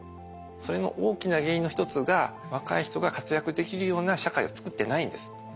それの大きな原因の一つが若い人が活躍できるような社会を作ってないんです。